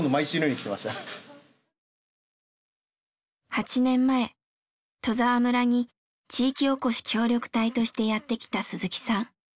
８年前戸沢村に地域おこし協力隊としてやって来た鈴木さん。